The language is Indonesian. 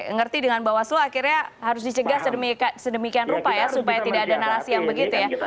ngerti dengan bawaslu akhirnya harus dicegah sedemikian rupa ya supaya tidak ada narasi yang begitu ya